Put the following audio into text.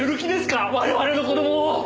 我々の子供を。